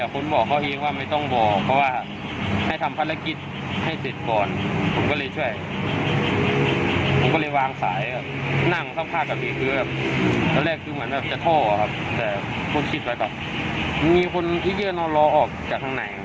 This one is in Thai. ก็คิดว่าต่อมีคนที่จะรอออกจากทางไหน